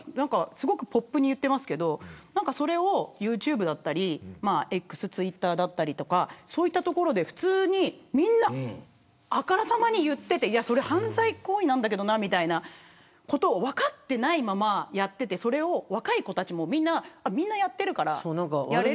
すごくポップに言ってますけどそれをユーチューブだったりＸ、ツイッターだったりそういうところで普通にみんなあからさまに言っていて犯罪行為なんだけどなみたいなことを分かっていないままやっていてそれを若い子たちもみんなやってるから。